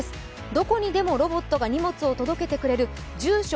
どこにでもロボットが荷物を届けてくれる住所